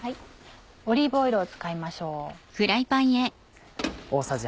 オリーブオイルを使いましょう。